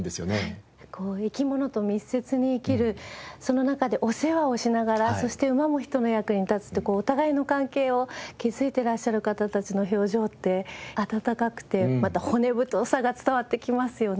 生き物と密接に生きるその中でお世話をしながらそして馬も人の役に立つってこうお互いの関係を築いてらっしゃる方たちの表情って温かくてまた骨太さが伝わってきますよね。